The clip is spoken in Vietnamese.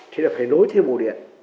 thì là phải nối thêm hồ điện